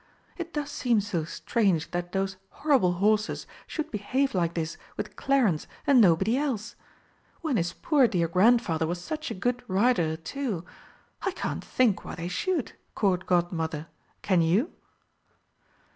It does seem so strange that those horrible horses should behave like this with Clarence and nobody else. When his poor dear Grandfather was such a good rider, too! I can't think why they should, Court Godmother, can you?"